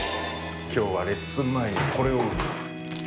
今日はレッスン前にこれを売る。